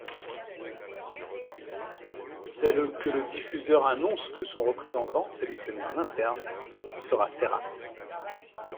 C'est le que le diffuseur annonce que son représentant, sélectionné en interne, sera Serhat.